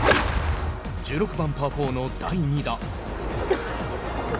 １６番、パー４の第２打。